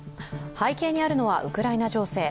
背景にあるのはウクライナ情勢。